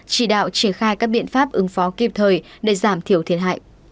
chỉ đạo triển khai các biện pháp ứng phó kịp thời để giảm thiểu thiệt hại